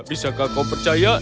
bisakah kau percaya